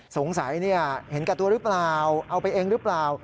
สงสัยเห็นแก่ตัวหรือเปล่าเอาไปเองหรือเปล่า